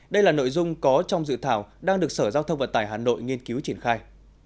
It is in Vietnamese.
đây là nội dung có trong dự thảo đang được sở giao thông vận tải hà nội nghiên cứu triển khai